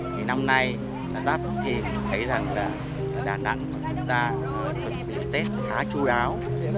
thì năm nay là giáp thì thấy rằng là đà nẵng chúng ta tuyến tết khá chú đáo